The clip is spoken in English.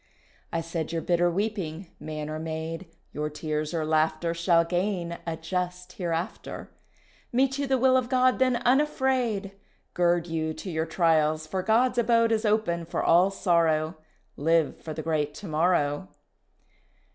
I said your bitter weeping man or maid, Your tears or laughter Shall gain a just Hereafter; Meet you the will of God then unafraid, Gird you to your trials for God's abode Is open for all sorrow; Live for the great to morrow.